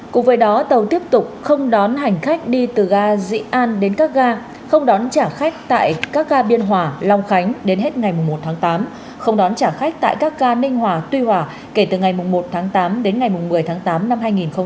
cùng với đó tàu tiếp tục không đón hành khách đi từ ga dị an đến các ga không đón trả khách tại các ga biên hòa long khánh đến hết ngày một tháng tám không đón trả khách tại các ga ninh hòa tuy hòa kể từ ngày một tháng tám đến ngày một mươi tháng tám năm hai nghìn hai mươi